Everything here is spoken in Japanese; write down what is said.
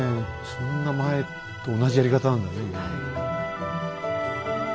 そんな前と同じやり方なんだね。